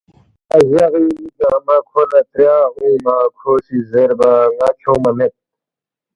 تا جغی می گنگمہ کھو لہ تریا اونگما کھو سی زیربا ”ن٘ا کھیونگما مید